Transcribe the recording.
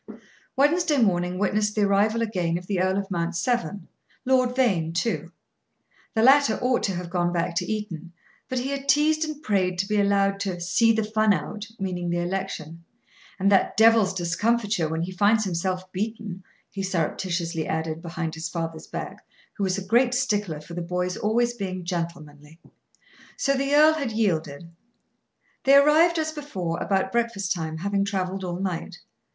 Wednesday morning witnessed the arrival again of the Earl of Mount Severn. Lord Vane, too. The latter ought to have gone back to Eton, but he had teased and prayed to be allowed to "see the fun out," meaning the election. "And that devil's discomfiture when he finds himself beaten," he surreptitiously added, behind his father's back, who was a great stickler for the boy's always being "gentlemanly." So the earl had yielded. They arrived, as before, about breakfast time, having traveled all night.